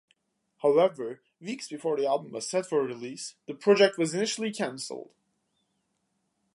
However, weeks before the album was set for release, the project was initially cancelled.